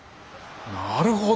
なるほど！